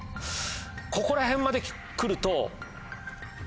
ここらへんまで来ると。